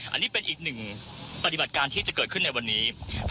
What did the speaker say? อันนี้เป็นอีกหนึ่งปฏิบัติการที่จะเกิดขึ้นในวันนี้